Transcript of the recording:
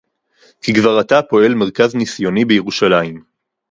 כי כבר עתה פועל מרכז ניסיוני בירושלים